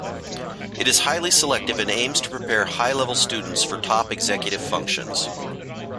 It is highly selective and aims to prepare high-level students for top executive functions.